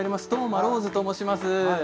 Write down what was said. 當間ローズと申します。